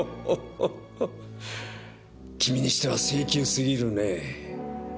君にしては性急すぎるね。